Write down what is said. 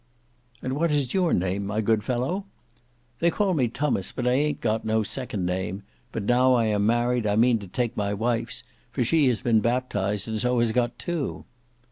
"And what is your name, my good fellow?" "They call me Tummas, but I ayn't got no second name; but now I am married I mean to take my wife's, for she has been baptised, and so has got two."